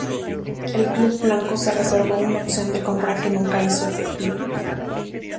El club blanco se reservó una opción de compra que nunca hizo efectiva.